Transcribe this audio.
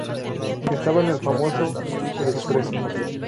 Estaba en el famoso "El Expreso".